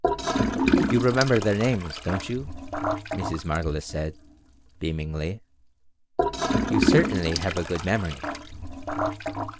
"You remember their names, don't you?" Mrs. Margolis said, beamingly. "You certainly have a good memory."